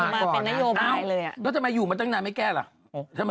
เอ้าแล้วทำไมอยู่ทั้งนานแล้วไม่แก้อะ